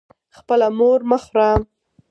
خپله مور مه خوره.